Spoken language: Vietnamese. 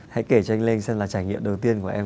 hãy kể cho anh lên xem là trải nghiệm đầu tiên của em